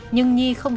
nhưng nhi không biết